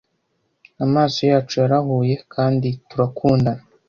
amaso yacu yarahuye kandi turakundana